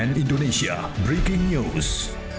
sianan indonesia breaking news